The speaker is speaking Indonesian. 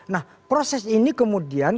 nah proses ini kemudian